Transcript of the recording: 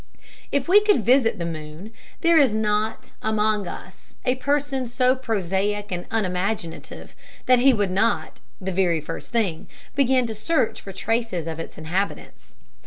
If we could visit the moon, there is not among us a person so prosaic and unimaginative that he would not, the very first thing, begin to search for traces of its inhabitants.